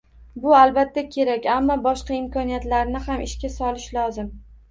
Bu, albatta, kerak, ammo boshqa imkoniyatlarni ham ishga solish lozim.